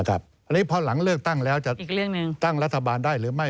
อันนี้พอหลังเลือกตั้งแล้วจะตั้งรัฐบาลได้หรือไม่